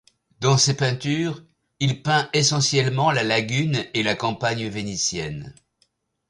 Dans ses peintures, il peint essentiellement la lagune et la campagne vénitienne.